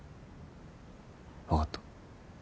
分かった。